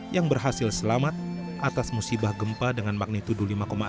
yang berhasil selamat atas musibah gempa dengan magnitudo lima enam